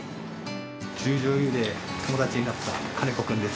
十條湯で友達になった金子君です。